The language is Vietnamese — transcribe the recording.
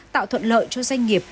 tạo thuận lợi cho doanh nghiệp